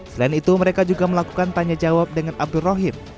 selain itu mereka juga melakukan tanya jawab dengan abdul rohim